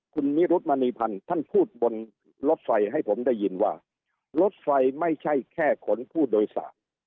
คุณนิรุธมณีพันธ์ท่านพูดบนรถไฟให้ผมได้ยินว่ารถไฟไม่ใช่แค่ขนผู้โดยสาร